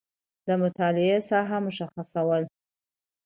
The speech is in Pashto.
د مطالعې ساحه مشخصول